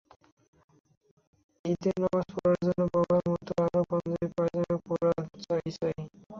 ঈদের নামাজ পড়ার জন্য বাবার মতো তারও পাঞ্জাবি-পাজামা পরা চা-ই চাই।